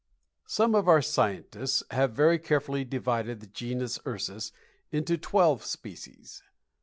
_ Some of our scientists have very carefully divided the Genus Ursus into twelve species.